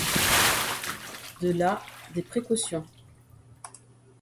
De là des précautions.